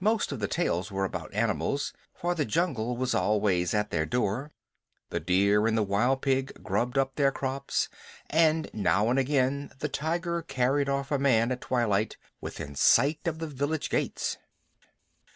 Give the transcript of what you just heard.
Most of the tales were about animals, for the jungle was always at their door. The deer and the wild pig grubbed up their crops, and now and again the tiger carried off a man at twilight, within sight of the village gates.